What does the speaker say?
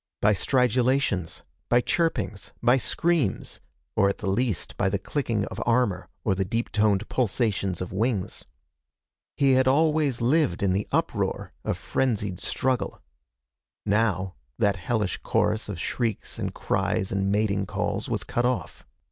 By stridulations, by chirpings, by screams, or at the least by the clicking of armor or the deep toned pulsations of wings. He had always lived in the uproar of frenzied struggle. Now, that hellish chorus of shrieks and cries and mating calls was cut off.